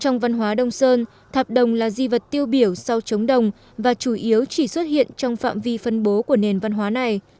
nhưng thạp đồng là di vật tiêu biểu sau trống đồng và chủ yếu chỉ xuất hiện trong phạm vi phân bố của nền văn hóa này